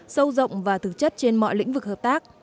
sâu rộng và thực chất trên mọi lĩnh vực hợp tác